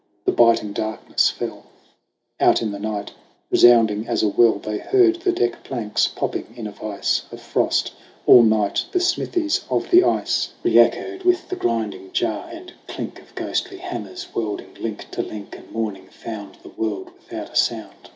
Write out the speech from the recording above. The biting darkness fell. Out in the night, resounding as a well, They heard the deckplanks popping in a vise Of frost ; all night the smithies of the ice THE RETURN OF THE GHOST 99 Reechoed with the griding jar and clink Of ghostly hammers welding link to link : And morning found the world without a sound.